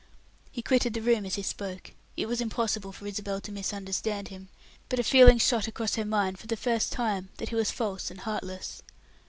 He quitted the room as he spoke. It was impossible for Isabel to misunderstand him, but a feeling shot across her mind, for the first time, that he was false and heartless.